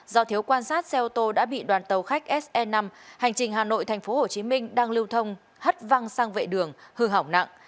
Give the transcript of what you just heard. do thiếu quan sát xe ô tô đã bị đoàn tàu khách se năm hành trình hà nội tp hcm đang lưu thông hất văng sang vệ đường hư hỏng nặng